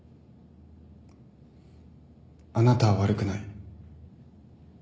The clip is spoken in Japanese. あなたは悪くない。